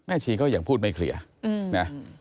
แม่ชีก็อย่างพูดไม่เคลียร์นะ